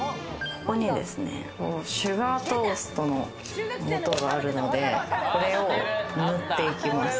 ここにシュガートーストの素があるので、これを塗っていきます。